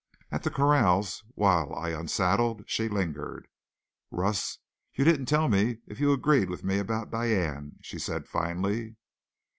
At the corrals, while I unsaddled, she lingered. "Russ, you didn't tell me if you agreed with me about Diane," she said finally.